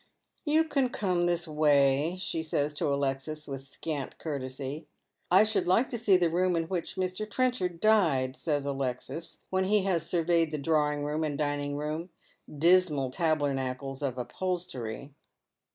" You can come this way," she says to Alexis, with scant courtesy. " I should like to see the room in which Mr. Trenchard died," says Alexis, when he has surveyed the drawing room and dining room, dismal tabernacles of upholstery.